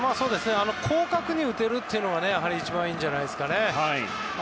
広角に打てるというのが一番いいんじゃないですか。